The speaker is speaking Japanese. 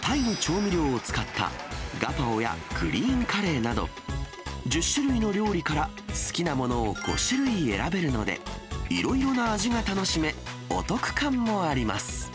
タイの調味料を使ったガパオやグリーンカレーなど、１０種類の料理から好きなものを５種類選べるので、いろいろな味が楽しめ、お得感もあります。